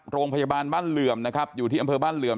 โรงพยาบาลบ้านเหลื่อมนะครับอยู่ที่อำเภอบ้านเหลื่อม